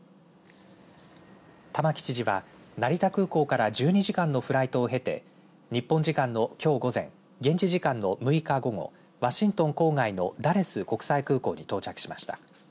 玉城知事は成田空港から１２時間のフライトを経て日本時間のきょう午前現地時間の６日午後ワシントン郊外のダレス国際空港に到着しました。